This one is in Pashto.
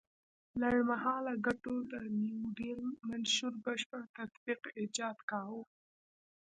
لنډ مهاله ګټو د نیوډیل منشور بشپړ تطبیق ایجاب کاوه.